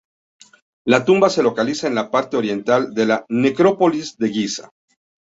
La tumba se localiza en la parte oriental de la necrópolis de Giza.